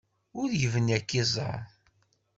Ur yebni ad k-iẓer.